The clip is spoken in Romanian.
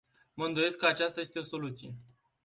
Mă îndoiesc că aceasta este o soluție.